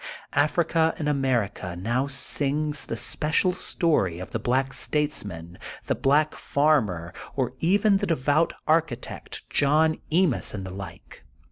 Africa in America now sings the spe cial story of the black statesman, the black farmer, or even the devout architect John Ends and the like.